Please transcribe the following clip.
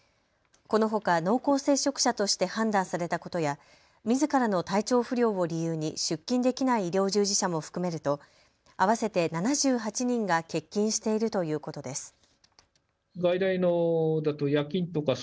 このほか濃厚接触者として判断されたことやみずからの体調不良を理由に出勤できない医療従事者も含めると合わせて７８人が欠勤しているということです。